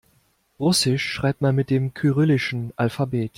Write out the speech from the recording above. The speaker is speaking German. Russisch schreibt man mit dem kyrillischen Alphabet.